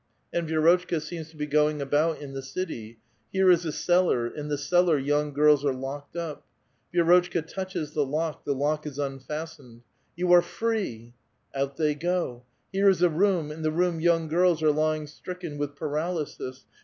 And Vi^rotchka seems to be going about in the cit3' ; here is a cellar, in the cellar young girls are locked up. Vi6 rotchka touches the lock, the lock is unfastened. " You are free !" Out they go ! Here is a room, in the room young girls are lying stricken with paralysis.